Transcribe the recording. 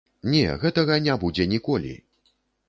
Не, гэтага не будзе ніколі.